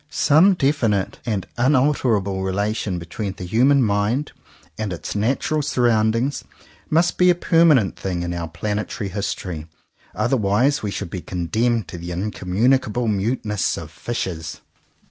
Some definite and unalterable relation between the human mind and its natural surroundings must be a permanent thing in our planetary history, otherwise we should be condemned to the ''incommuni cable muteness of fishes."